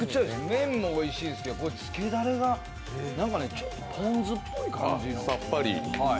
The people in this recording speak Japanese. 麺もうまいですけど、つけだれがなんかポン酢っぽい感じ。